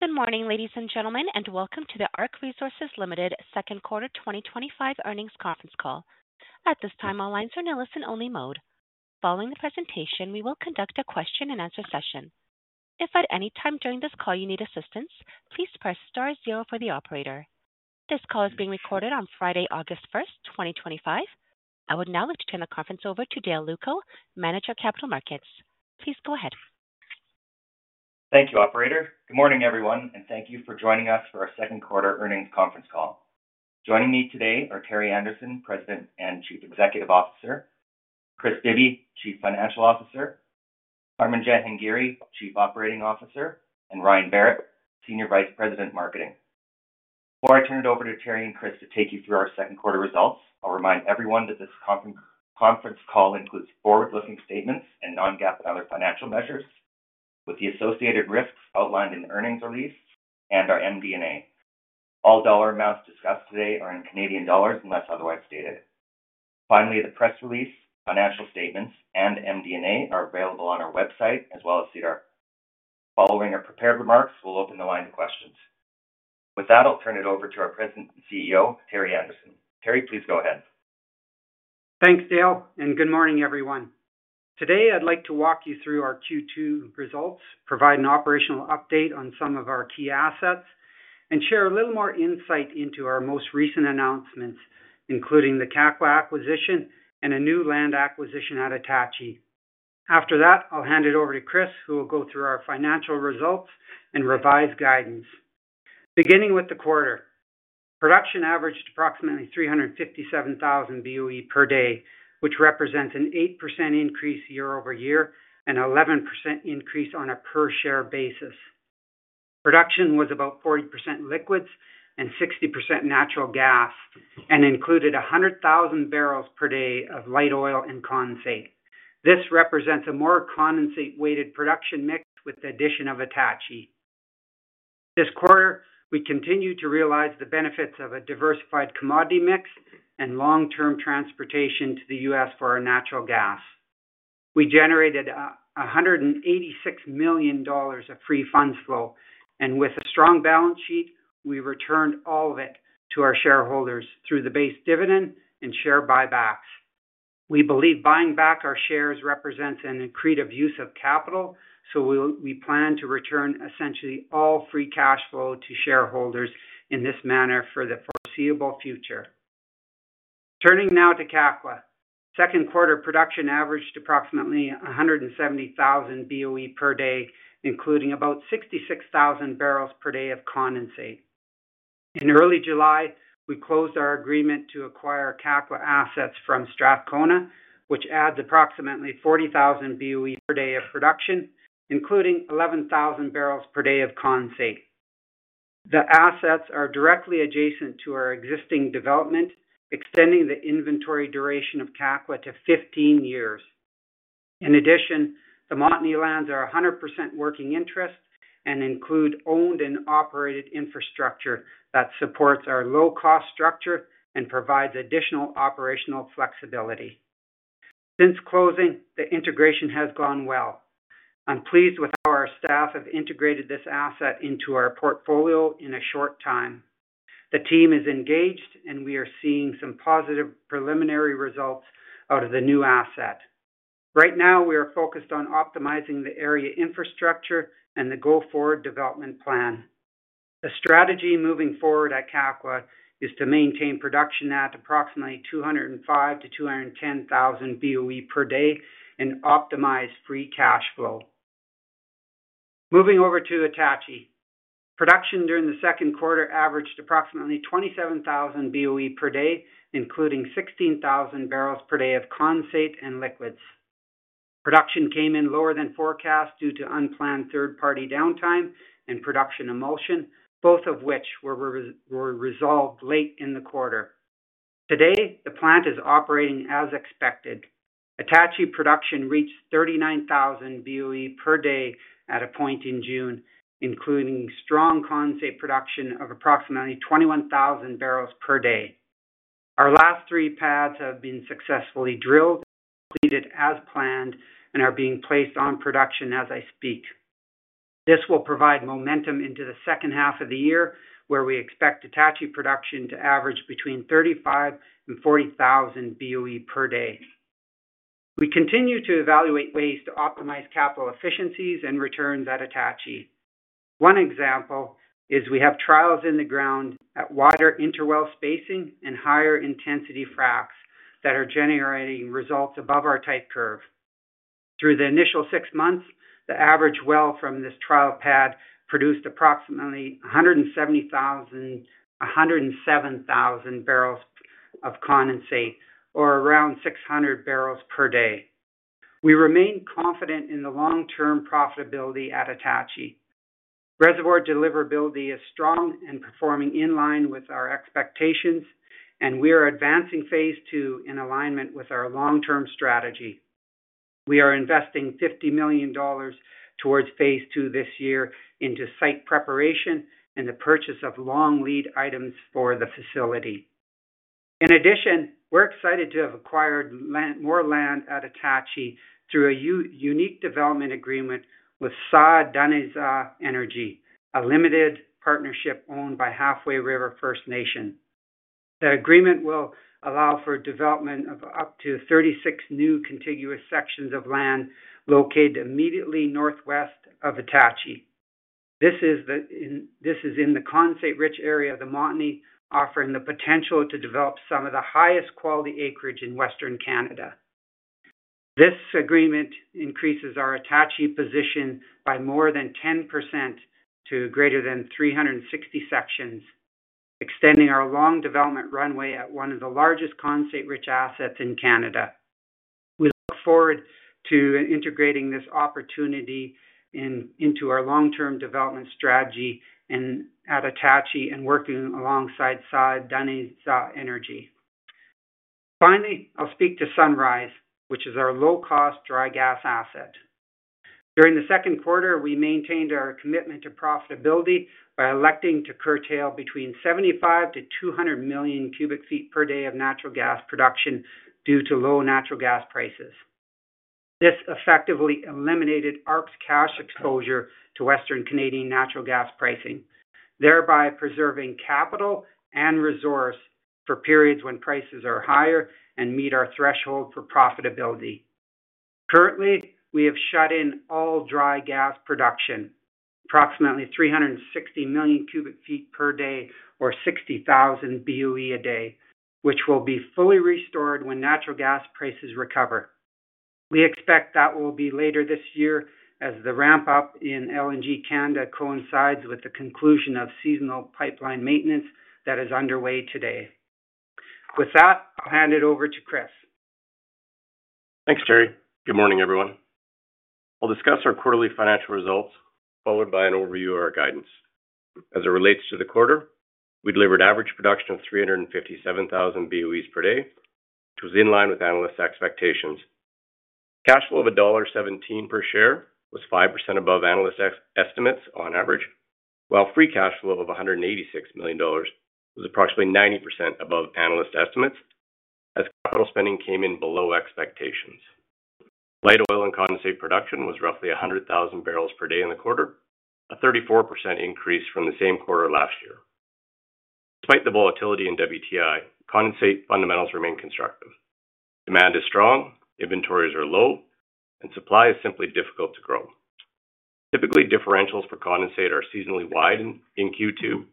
Good morning, ladies and gentlemen, and welcome to the ARC Resources Ltd second quarter 2025 earnings conference call. At this time, all lines are in listen-only mode. Following the presentation, we will conduct a question-and-answer session. If at any time during this call you need assistance, please press star zero for the operator. This call is being recorded on Friday, August 1, 2025. I would now like to turn the conference over to Dale Lewko, Manager of Capital Markets. Please go ahead. Thank you, Operator. Good morning, everyone, and thank you for joining us for our second quarter earnings conference call. Joining me today are Terry Anderson, President and Chief Executive Officer, Kris Bibby, Chief Financial Officer, Armin Jahangiri, Chief Operating Officer, and Ryan Berrett, Senior Vice President, Marketing. Before I turn it over to Terry and Kris to take you through our Second Quarter results, I'll remind everyone that this conference call includes forward-looking statements and non-GAAP and other financial measures, with the associated risks outlined in the earnings release and our MD&A. All dollar amounts discussed today are in Canadian dollars unless otherwise stated. Finally, the press release, financial statements, and MD&A are available on our website as well as SEDAR. Following our prepared remarks, we'll open the line to questions. With that, I'll turn it over to our President and CEO, Terry Anderson. Terry, please go ahead. Thanks, Dale, and good morning, everyone. Today, I'd like to walk you through our Q2 results, provide an operational update on some of our key assets, and share a little more insight into our most recent announcements, including the KAKO acquisition and a new land acquisition at Atachi. After that, I'll hand it over to Kris, who will go through our financial results and revised guidance. Beginning with the quarter, production averaged approximately 357,000 BOE per day, which represents an 8% increase year over year and an 11% increase on a per-share basis. Production was about 40% liquids and 60% natural gas and included 100,000 barrels per day of light oil and condensate. This represents a more condensate-weighted production mix with the addition of Atachi. This quarter, we continue to realize the benefits of a diversified commodity mix and long-term transportation to the U.S. for our natural gas. We generated 186 million dollars of free funds flow, and with a strong balance sheet, we returned all of it to our shareholders through the base dividend and share buybacks. We believe buying back our shares represents an accretive use of capital, so we plan to return essentially all free cash flow to shareholders in this manner for the foreseeable future. Turning now to KAKO, second quarter production averaged approximately 170,000 BOE per day, including about 66,000 barrels per day of condensate. In early July, we closed our agreement to acquire KAKO assets from Strathcona, which adds approximately 40,000 BOE per day of production, including 11,000 barrels per day of condensate. The assets are directly adjacent to our existing development, extending the inventory duration of KAKO to 15 years. In addition, the Mountain Elands are 100% working interest and include owned and operated infrastructure that supports our low-cost structure and provides additional operational flexibility. Since closing, the integration has gone well. I'm pleased with how our staff have integrated this asset into our portfolio in a short time. The team is engaged, and we are seeing some positive preliminary results out of the new asset. Right now, we are focused on optimizing the area infrastructure and the go-forward development plan. The strategy moving forward at KAKO is to maintain production at approximately 205,000 to 210,000 BOE per day and optimize free cash flow. Moving over to Atachi, production during the second quarter averaged approximately 27,000 BOE per day, including 16,000 barrels per day of condensate and liquids. Production came in lower than forecast due to unplanned third-party downtime and production emulsion, both of which were resolved late in the quarter. Today, the plant is operating as expected. Atachi production reached 39,000 BOE per day at a point in June, including strong condensate production of approximately 21,000 barrels per day. Our last three pads have been successfully drilled, completed as planned, and are being placed on production as I speak. This will provide momentum into the second half of the year, where we expect Atachi production to average between 35,000 and 40,000 BOE per day. We continue to evaluate ways to optimize capital efficiencies and returns at Atachi. One example is we have trials in the ground at wider interwell spacing and higher intensity fracs that are generating results above our type curve. Through the initial six months, the average well from this trial pad produced approximately 170,000 to 107,000 barrels of condensate, or around 600 barrels per day. We remain confident in the long-term profitability at Atachi. Reservoir deliverability is strong and performing in line with our expectations, and we are advancing phase two in alignment with our long-term strategy. We are investing 50 million dollars towards phase two this year into site preparation and the purchase of long lead items for the facility. In addition, we're excited to have acquired more land at Atachi through a unique development agreement with Saa Danezaa Energy, a limited partnership owned by Halfway River First Nation. The agreement will allow for development of up to 36 new contiguous sections of land located immediately northwest of Atachi. This is in the condensate-rich area of the Montney, offering the potential to develop some of the highest quality acreage in Western Canada. This agreement increases our Atachi position by more than 10% to greater than 360 sections, extending our long development runway at one of the largest condensate-rich assets in Canada. We look forward to integrating this opportunity into our long-term development strategy at Atachi and working alongside Saa Danezaa Energy. Finally, I'll speak to Sunrise, which is our low-cost dry gas asset. During the second quarter, we maintained our commitment to profitability by electing to curtail between 75 to 200 million cubic feet per day of natural gas production due to low natural gas prices. This effectively eliminated ARC's cash exposure to Western Canadian natural gas pricing, thereby preserving capital and resource for periods when prices are higher and meet our threshold for profitability. Currently, we have shut in all dry gas production, approximately 360 million cubic feet per day, or 60,000 BOE a day, which will be fully restored when natural gas prices recover. We expect that will be later this year as the ramp-up in LNG Canada coincides with the conclusion of seasonal pipeline maintenance that is underway today. With that, I'll hand it over to Kris. Thanks, Terry. Good morning, everyone. I'll discuss our quarterly financial results followed by an overview of our guidance. As it relates to the quarter, we delivered average production of 357,000 BOE per day, which was in line with analysts' expectations. Cash flow of dollar 1.17 per share was 5% above analysts' estimates on average, while free cash flow of 186 million dollars was approximately 90% above analysts' estimates as capital spending came in below expectations. Light oil and condensate production was roughly 100,000 barrels per day in the quarter, a 34% increase from the same quarter last year. Despite the volatility in WTI, condensate fundamentals remain constructive. Demand is strong, inventories are low, and supply is simply difficult to grow. Typically, differentials for condensate are seasonally wide in Q2.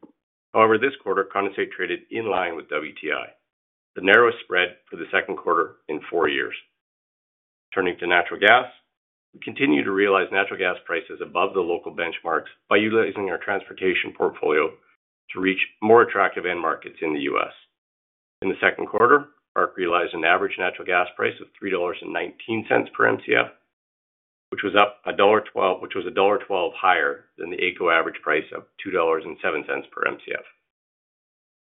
However, this quarter, condensate traded in line with WTI, the narrowest spread for the second quarter in four years. Turning to natural gas, we continue to realize natural gas prices above the local benchmarks by utilizing our transportation portfolio to reach more attractive end markets in the U.S. In the second quarter, ARC realized an average natural gas price of 3.19 dollars per MCF, which was 1.12 dollar higher than the AECO average price of 2.07 dollars per MCF.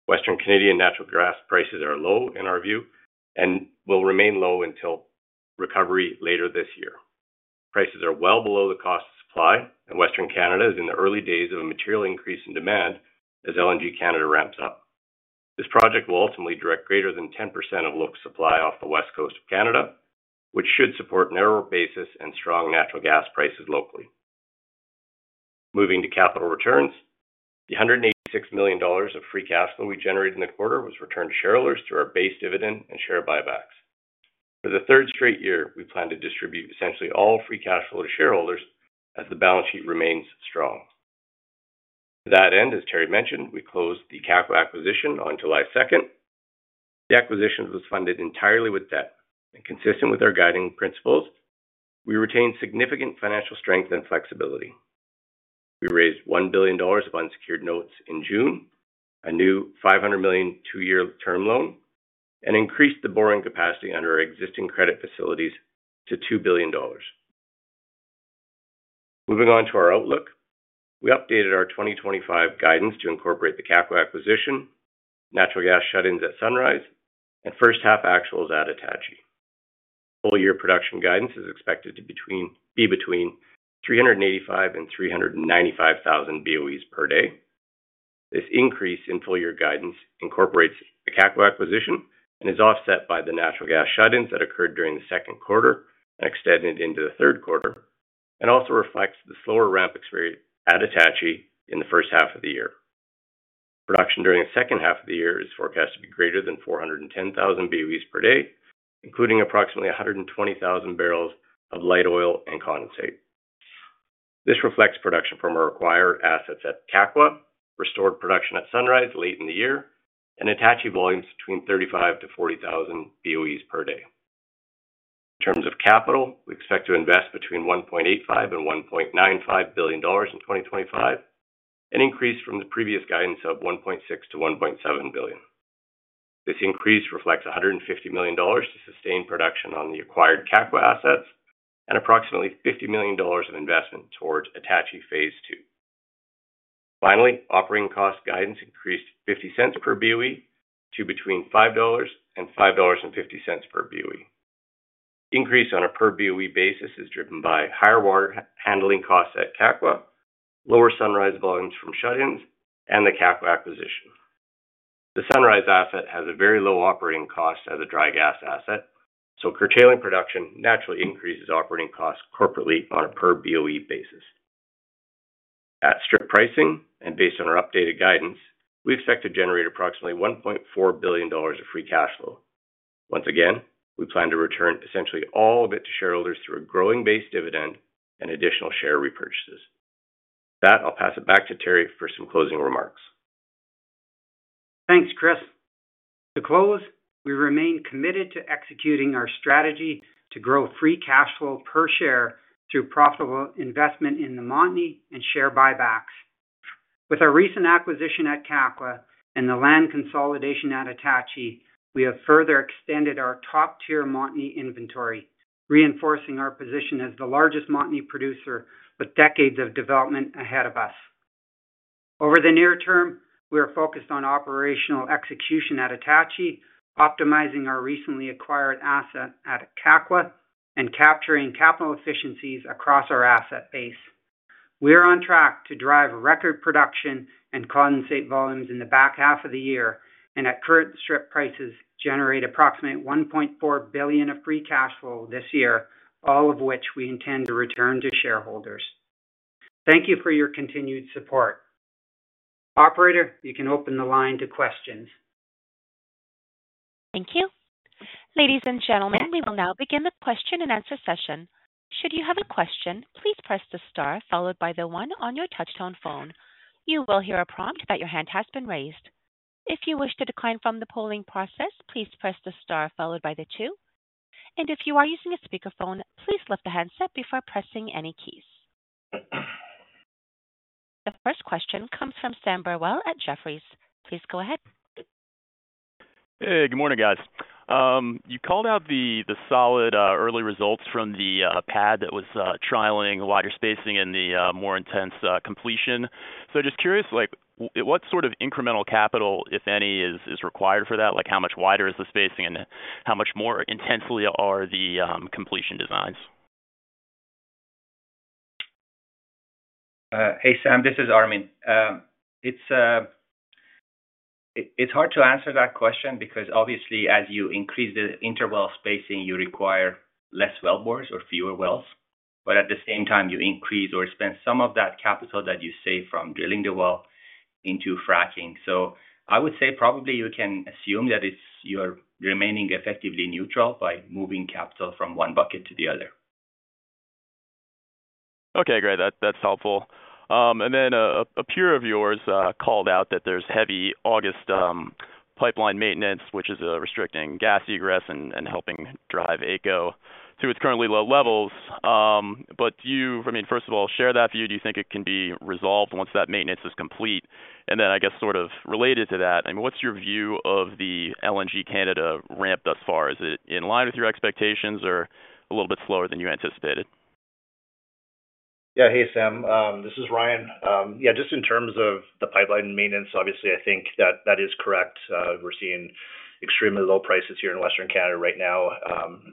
Western Canadian natural gas prices are low in our view and will remain low until recovery later this year. Prices are well below the cost of supply, and Western Canada is in the early days of a material increase in demand as LNG Canada ramps up. This project will ultimately direct greater than 10% of local supply off the West Coast of Canada, which should support narrower basis and strong natural gas prices locally. Moving to capital returns, the 186 million dollars of free cash flow we generated in the quarter was returned to shareholders through our base dividend and share buybacks. For the third straight year, we plan to distribute essentially all free cash flow to shareholders as the balance sheet remains strong. To that end, as Terry mentioned, we closed the KAKO acquisition on July 2. The acquisition was funded entirely with debt, and consistent with our guiding principles, we retained significant financial strength and flexibility. We raised 1 billion dollars of unsecured notes in June, a new 500 million two-year term loan, and increased the borrowing capacity under our existing credit facilities to 2 billion dollars. Moving on to our outlook, we updated our 2025 guidance to incorporate the KAKO acquisition, natural gas shut-ins at Sunrise, and first half actuals at Atachi. Full-year production guidance is expected to be between 385,000 and 395,000 BOEs per day. This increase in full-year guidance incorporates the KAKO acquisition and is offset by the natural gas shut-ins that occurred during the second quarter and extended into the third quarter, and also reflects the slower ramp-up experience at Atachi in the first half of the year. Production during the second half of the year is forecast to be greater than 410,000 BOEs per day, including approximately 120,000 barrels of light oil and condensate. This reflects production from our acquired assets at KAKO, restored production at Sunrise late in the year, and Atachi volumes between 35,000 to 40,000 BOEs per day. In terms of capital, we expect to invest between 1.85 and 1.95 billion dollars in 2025, an increase from the previous guidance of 1.6 to 1.7 billion. This increase reflects 150 million dollars to sustain production on the acquired KAKO assets and approximately 50 million dollars of investment towards Atachi phase two. Finally, operating cost guidance increased 0.50 per BOE to between 5 dollars and 5.50 dollars per BOE. The increase on a per BOE basis is driven by higher water handling costs at KAKO, lower Sunrise volumes from shut-ins, and the KAKO acquisition. The Sunrise asset has a very low operating cost as a dry gas asset, so curtailing production naturally increases operating costs corporately on a per BOE basis. At strip pricing and based on our updated guidance, we expect to generate approximately 1.4 billion dollars of free cash flow. Once again, we plan to return essentially all of it to shareholders through a growing base dividend and additional share repurchases. With that, I'll pass it back to Terry for some closing remarks. Thanks, Kris. To close, we remain committed to executing our strategy to grow free cash flow per share through profitable investment in the Montney and share buybacks. With our recent acquisition at KAKO and the land consolidation at Atachi, we have further extended our top-tier Montney inventory, reinforcing our position as the largest Montney producer with decades of development ahead of us. Over the near term, we are focused on operational execution at Atachi, optimizing our recently acquired asset at KAKO, and capturing capital efficiencies across our asset base. We are on track to drive record production and condensate volumes in the back half of the year, and at current strip prices, generate approximately 1.4 billion of free cash flow this year, all of which we intend to return to shareholders. Thank you for your continued support. Operator, you can open the line to questions. Thank you. Ladies and gentlemen, we will now begin the question and answer session. Should you have a question, please press the star followed by the one on your touch-tone phone. You will hear a prompt that your hand has been raised. If you wish to decline from the polling process, please press the star followed by the two. If you are using a speakerphone, please lift the handset before pressing any keys. The first question comes from Sam Burwell at Jefferies. Please go ahead. Hey, good morning, guys. You called out the solid early results from the pad that was trialing wider spacing and the more intense completion. Just curious, like, what sort of incremental capital, if any, is required for that? How much wider is the spacing and how much more intensely are the completion designs? Hey, Sam, this is Armin. It's hard to answer that question because obviously, as you increase the interwell spacing, you require less well bores or fewer wells. At the same time, you increase or expend some of that capital that you save from drilling the well into fracking. I would say probably you can assume that you are remaining effectively neutral by moving capital from one bucket to the other. Okay, great. That's helpful. A peer of yours called out that there's heavy August pipeline maintenance, which is restricting gas egress and helping drive AECO to its currently low levels. Do you, first of all, share that view? Do you think it can be resolved once that maintenance is complete? I guess sort of related to that, what's your view of the LNG Canada ramp thus far? Is it in line with your expectations or a little bit slower than you anticipated? Yeah, hey, Sam. This is Ryan. In terms of the pipeline maintenance, obviously, I think that is correct. We're seeing extremely low prices here in Western Canada right now.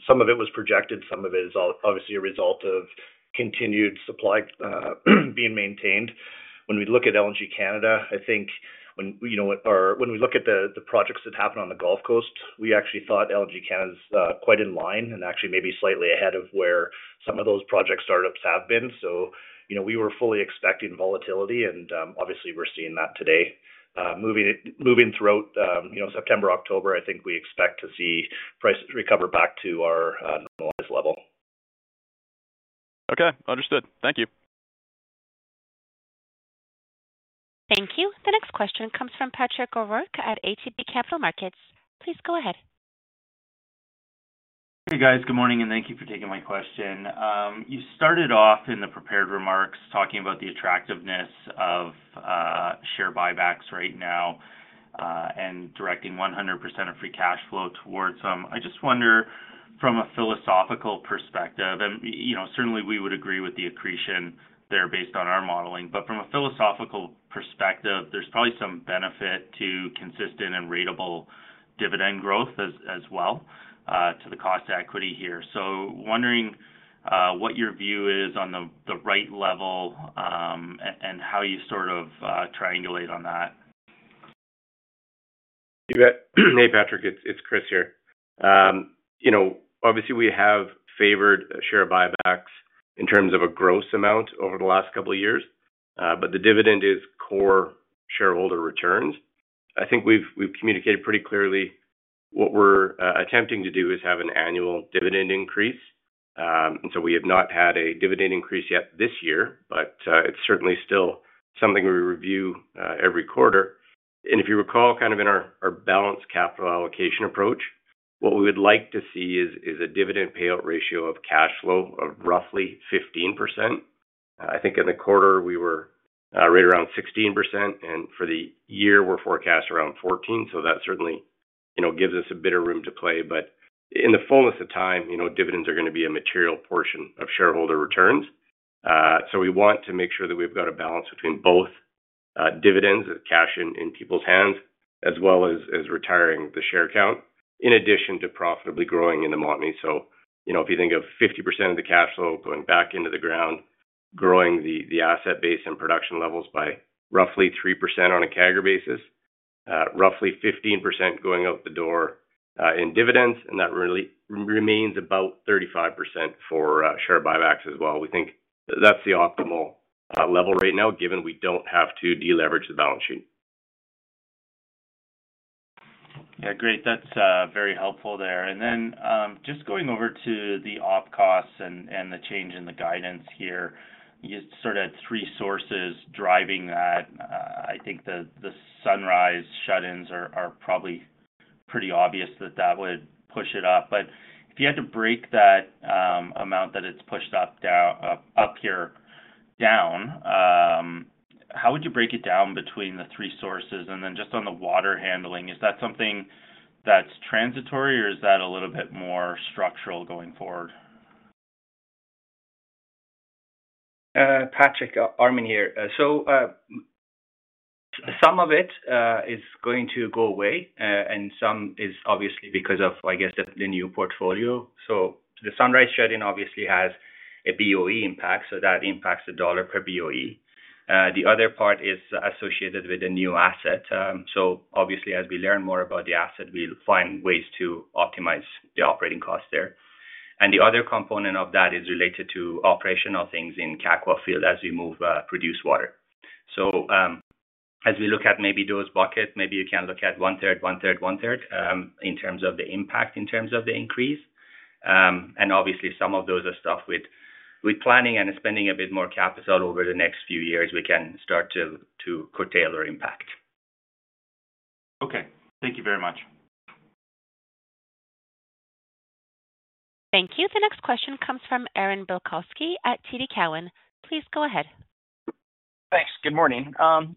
Some of it was projected, some of it is a result of continued supply being maintained. When we look at LNG Canada, I think when we look at the projects that happen on the Gulf Coast, we actually thought LNG Canada is quite in line and maybe slightly ahead of where some of those project startups have been. We were fully expecting volatility and obviously we're seeing that today moving throughout September, October. I think we expect to see prices recover back to our normalized level. Okay, understood. Thank you. Thank you. The next question comes from Patrick O'Rourke at ATB Capital Markets. Please go ahead. Hey, guys, good morning and thank you for taking my question. You started off in the prepared remarks talking about the attractiveness of share buybacks right now and directing 100% of free cash flow towards them. I just wonder, from a philosophical perspective, and certainly we would agree with the accretion there based on our modeling, but from a philosophical perspective, there's probably some benefit to consistent and ratable dividend growth as well to the cost equity here. Wondering what your view is on the right level and how you sort of triangulate on that. Hey, Patrick, it's Kris here. Obviously we have favored share buybacks in terms of a gross amount over the last couple of years, but the dividend is core shareholder returns. I think we've communicated pretty clearly what we're attempting to do is have an annual dividend increase. We have not had a dividend increase yet this year, but it's certainly still something we review every quarter. If you recall, in our balanced capital allocation approach, what we would like to see is a dividend payout ratio of cash flow of roughly 15%. I think in the quarter we were right around 16% and for the year we're forecast around 14%. That certainly gives us a bit of room to play. In the fullness of time, dividends are going to be a material portion of shareholder returns. We want to make sure that we've got a balance between both dividends and cash in people's hands, as well as retiring the share count in addition to profitably growing in the Montney. If you think of 50% of the cash flow going back into the ground, growing the asset base and production levels by roughly 3% on a CAGR basis, roughly 15% going out the door in dividends, that really remains about 35% for share buybacks as well. We think that's the optimal level right now given we don't have to deleverage the balance sheet. Yeah, great. That's very helpful there. Just going over to the operating costs and the change in the guidance here, you sort of had three sources driving that. I think the Sunrise shut-ins are probably pretty obvious that that would push it up. If you had to break that amount that it's pushed up down, how would you break it down between the three sources? Just on the water handling, is that something that's transitory or is that a little bit more structural going forward? Patrick, Armin here. Some of it is going to go away and some is obviously because of, I guess, the new portfolio. The Sunrise shut-in obviously has a BOE impact, so that impacts a dollar per BOE. The other part is associated with a new asset. As we learn more about the asset, we'll find ways to optimize the operating costs there. The other component of that is related to operational things in KAKO field as we move produced water. As we look at maybe those buckets, maybe you can look at one third, one third, one third in terms of the impact, in terms of the increase. Some of those are stuff with planning and spending a bit more capital over the next few years, we can start to curtail our impact. Okay, thank you very much. Thank you. The next question comes from Aaron Bilkoski at TD Cowen. Please go ahead. Thanks. Good morning.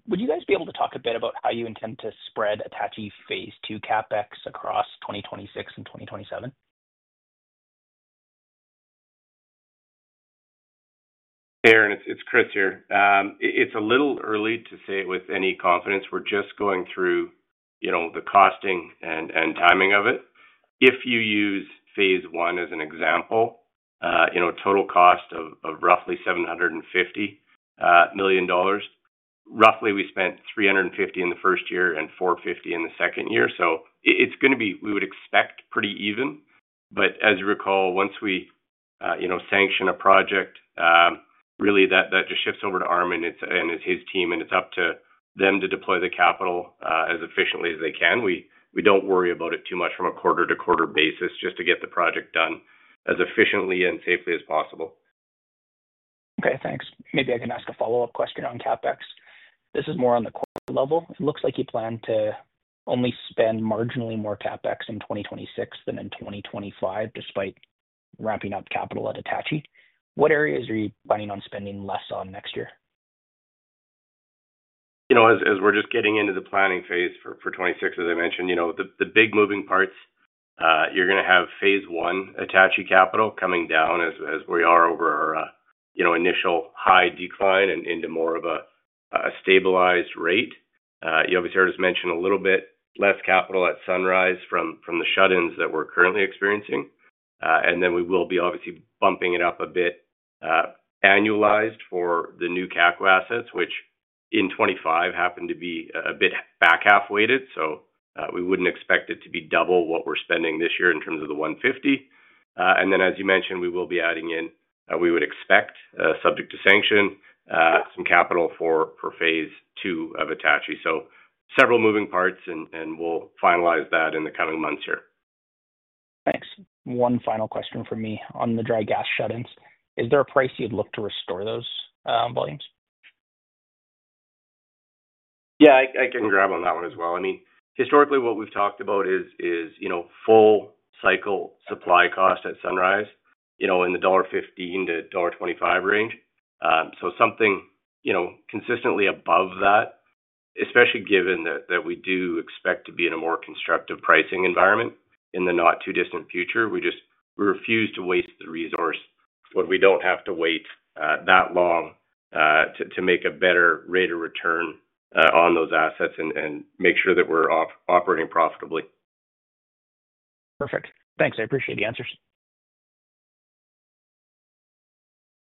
Would you guys be able to talk a bit about how you intend to spread Atachi phase two CapEx across 2026 and 2027? Aaron, it's Kris here. It's a little early to say it with any confidence. We're just going through the costing and timing of it. If you use phase one as an example, total cost of roughly 750 million dollars. Roughly, we spent 350 million in the first year and 450 million in the second year. It's going to be, we would expect, pretty even. As you recall, once we sanction a project, really that just shifts over to Armin and his team, and it's up to them to deploy the capital as efficiently as they can. We don't worry about it too much from a quarter-to-quarter basis just to get the project done as efficiently and safely as possible. Okay, thanks. Maybe I can ask a follow-up question on CapEx. This is more on the quarter level. It looks like you plan to only spend marginally more CapEx in 2026 than in 2025, despite ramping up capital at Atachi. What areas are you planning on spending less on next year? As we're just getting into the planning phase for 2026, as I mentioned, the big moving parts, you're going to have phase one Atachi capital coming down as we are over our initial high decline and into more of a stabilized rate. You obviously heard us mention a little bit less capital at Sunrise from the shut-ins that we're currently experiencing. We will be obviously bumping it up a bit annualized for the new KAKO assets, which in 2025 happen to be a bit back half weighted. We wouldn't expect it to be double what we're spending this year in terms of the 150. As you mentioned, we will be adding in, we would expect, subject to sanction, some capital for phase two of Atachi. Several moving parts, and we'll finalize that in the coming months here. Thanks. One final question from me on the dry gas shut-ins. Is there a price you'd look to restore those volumes? Yeah, I can grab on that one as well. Historically, what we've talked about is, you know, full cycle supply cost at Sunrise, you know, in the dollar 1.15 to dollar 1.25 range. Something, you know, consistently above that, especially given that we do expect to be in a more constructive pricing environment in the not-too-distant future. We just refuse to waste the resource when we don't have to wait that long to make a better rate of return on those assets and make sure that we're operating profitably. Perfect. Thanks. I appreciate the answers.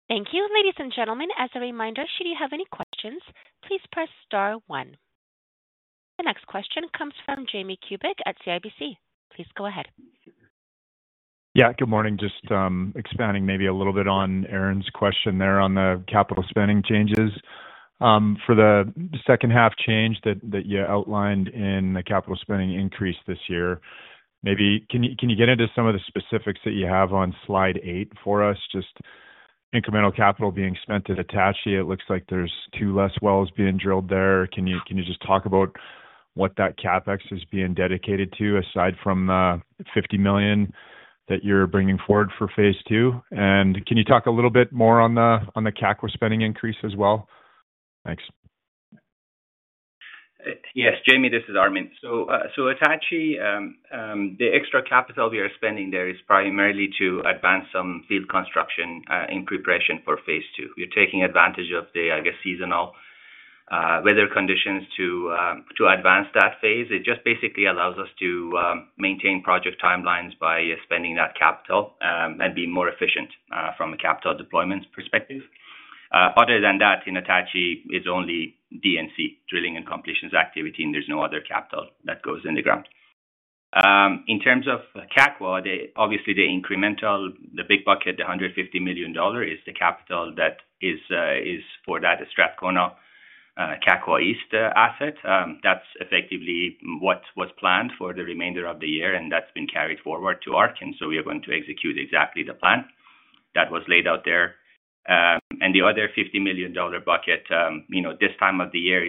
Thank you. Ladies and gentlemen, as a reminder, should you have any questions, please press star one. The next question comes from Jamie Kubik at CIBC. Please go ahead. Yeah, good morning. Just expanding maybe a little bit on Aaron's question there on the capital spending changes. For the second half change that you outlined in the capital spending increase this year, maybe can you get into some of the specifics that you have on slide eight for us? Just incremental capital being spent at Atachi, it looks like there's two less wells being drilled there. Can you just talk about what that CapEx is being dedicated to aside from the 50 million that you're bringing forward for phase two? Can you talk a little bit more on the KAKO spending increase as well? Thanks. Yes, Jamie, this is Armin. At Atachi, the extra capital we are spending there is primarily to advance some field construction in preparation for phase two. We're taking advantage of the seasonal weather conditions to advance that phase. It basically allows us to maintain project timelines by spending that capital and being more efficient from a capital deployment perspective. Other than that, in Atachi, it's only D&C, drilling and completions activity, and there's no other capital that goes in the ground. In terms of KAKO, obviously the incremental, the big bucket, the 150 million dollar is the capital that is for that Strathcona KAKO East asset. That's effectively what was planned for the remainder of the year, and that's been carried forward to ARC, and we are going to execute exactly the plan that was laid out there. The other 50 million dollar bucket, this time of the year,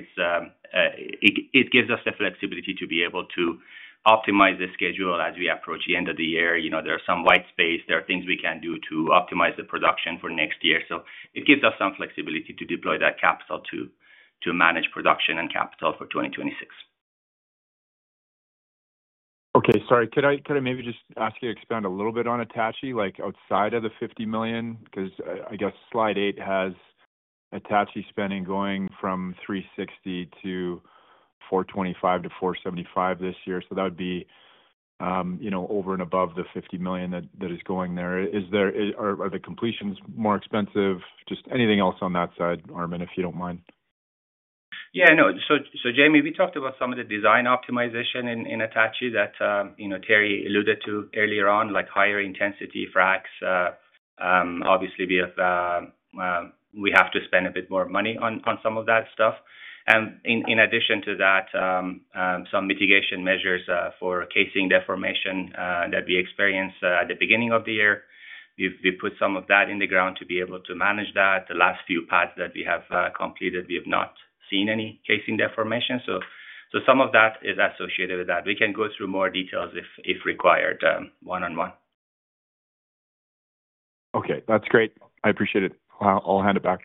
gives us the flexibility to be able to optimize the schedule as we approach the end of the year. There are some white space, there are things we can do to optimize the production for next year. It gives us some flexibility to deploy that capital to manage production and capital for 2026. Okay, sorry, could I maybe just ask you to expand a little bit on Atachi, like outside of the 50 million? Because I guess slide eight has Atachi spending going from 360 million to 425 million to 475 million this year. That would be, you know, over and above the 50 million that is going there. Are the completions more expensive? Just anything else on that side, Armin, if you don't mind? Yeah, no, so Jamie, we talked about some of the design optimization in Atachi that, you know, Terry alluded to earlier on, like higher intensity fracks. Obviously, we have to spend a bit more money on some of that stuff. In addition to that, some mitigation measures for casing deformation that we experienced at the beginning of the year, we put some of that in the ground to be able to manage that. The last few pads that we have completed, we have not seen any casing deformation. Some of that is associated with that. We can go through more details if required, one-on-one. Okay, that's great. I appreciate it. I'll hand it back.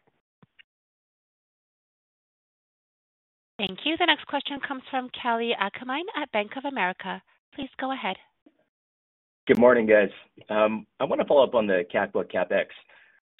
Thank you. The next question comes from Kalei Akamine at Bank of America. Please go ahead. Good morning, guys. I want to follow up on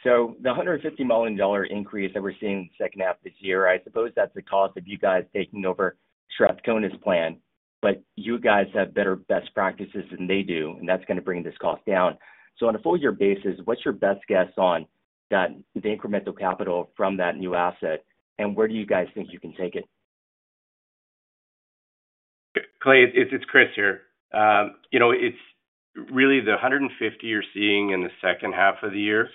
the KAKO CapEx. The 150 million dollar increase that we're seeing in the second half of this year, I suppose that's the cost of you guys taking over Strathcona's plan, but you guys have better best practices than they do, and that's going to bring this cost down. On a full-year basis, what's your best guess on the incremental capital from that new asset and where do you guys think you can take it? Kalei, it's Kris here. It's really the 150 you're seeing in the second half of the year.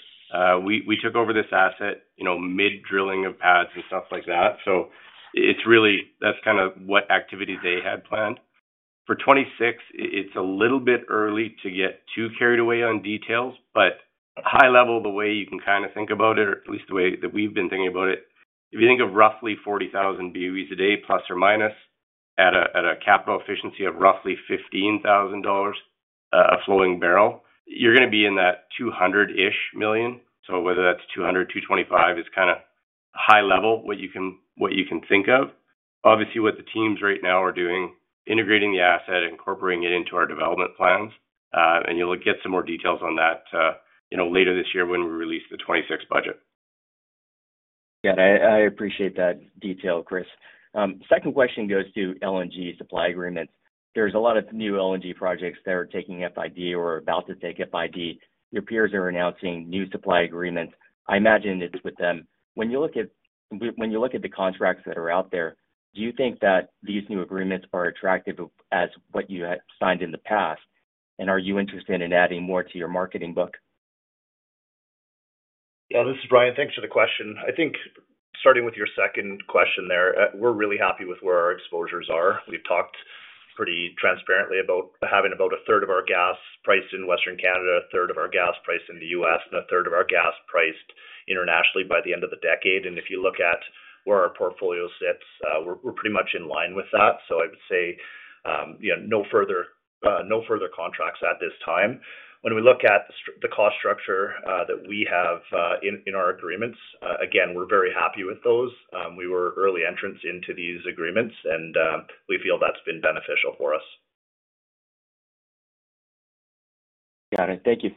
We took over this asset mid-drilling of pads and stuff like that. It's really, that's kind of what activities they had planned. For 2026, it's a little bit early to get too carried away on details, but high level, the way you can kind of think about it, or at least the way that we've been thinking about it, if you think of roughly 40,000 BOE a day, plus or minus, at a capital efficiency of roughly 15,000 dollars a flowing barrel, you're going to be in that 200-ish million. Whether that's 200, 225, it's kind of high level what you can think of. Obviously, what the teams right now are doing, integrating the asset, incorporating it into our development plans, and you'll get some more details on that later this year when we release the 2026 budget. Got it. I appreciate that detail, Kris. Second question goes to LNG supply agreements. There's a lot of new LNG projects that are taking FID or are about to take FID. Your peers are announcing new supply agreements. I imagine it's with them. When you look at the contracts that are out there, do you think that these new agreements are as attractive as what you signed in the past? Are you interested in adding more to your marketing book? Yeah, this is Ryan. Thanks for the question. I think starting with your second question there, we're really happy with where our exposures are. We've talked pretty transparently about having about a third of our gas priced in Western Canada, a third of our gas priced in the U.S., and a third of our gas priced internationally by the end of the decade. If you look at where our portfolio sits, we're pretty much in line with that. I would say, you know, no further contracts at this time. When we look at the cost structure that we have in our agreements, again, we're very happy with those. We were early entrants into these agreements, and we feel that's been beneficial for us. Got it. Thank you.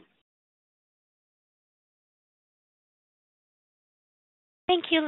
Thank you.